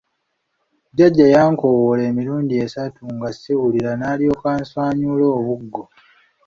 Jjajja yankowoola emirundi essatu nga siwulira n’alyokka answanyuula obuggo.